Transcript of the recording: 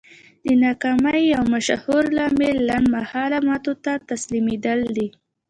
د ناکامۍ يو مشهور لامل لنډ مهاله ماتو ته تسليمېدل دي.